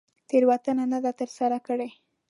تېروتنه نه ده تر سره کړې.